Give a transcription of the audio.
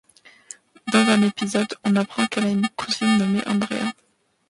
Dans un épisode, on apprend qu'elle a une cousine nommé Andrea.